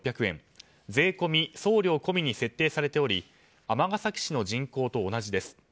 税込み・送料込みに設定されており尼崎市の人口と同じです。